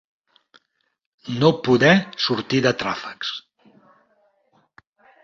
No poder sortir de tràfecs.